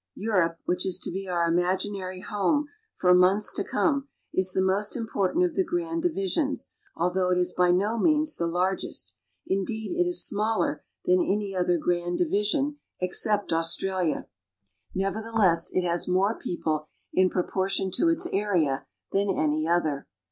Europe, which is to be our imaginary home for months to come, is the most important of the grand divisions, although it is by no means the largest ; indeed, it is smaller than any other grand division 9 IO ACROSS THE ATLANTIC TO EUROPE. except Australia. Nevertheless, it has more people in pro portion to its area than any other.